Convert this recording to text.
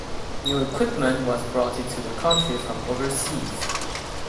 New equipment was brought into the country from overseas.